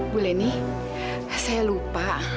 bu leni saya lupa